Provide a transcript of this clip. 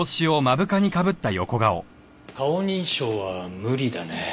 顔認証は無理だね。